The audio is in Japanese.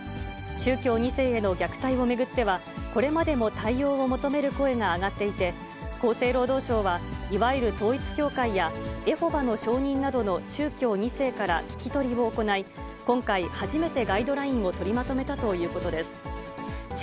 宗教２世への虐待を巡ってはこれまでも対応を求める声が上がっていて、厚生労働省はいわゆる統一教会や、エホバの証人などの宗教２世から聞き取りを行い、今回初めてガイドラインを取りまとめたということです。